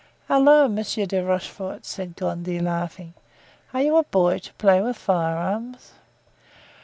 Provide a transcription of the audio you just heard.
"Halloo! Monsieur de Rochefort," said Gondy, laughing, "are you a boy to play with firearms?"